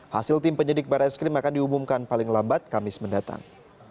hasil tim penyidik barai skrim akan diumumkan paling lambat kamis mendatang